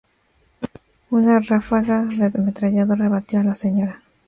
Una ráfaga de ametralladora abatió a la Sra.